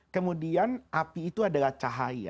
kemudian kita lihat itu yang berkilat kilat kayak menyala